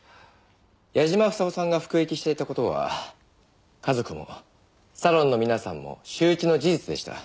矢嶋房夫さんが服役していた事は家族もサロンの皆さんも周知の事実でした。